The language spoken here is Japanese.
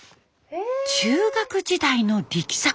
中学時代の力作。